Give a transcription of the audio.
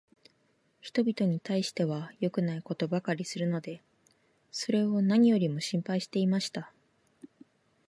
人びとに対しては良くないことばかりするので、それを何よりも心配していました。